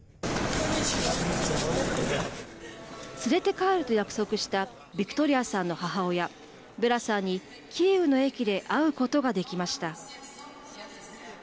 連れて帰ると約束したビクトリアさんの母親ヴェラさんにキーウの駅で会うことができました。